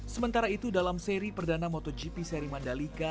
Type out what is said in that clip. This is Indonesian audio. sementara itu dalam seri perdana motogp seri mandalika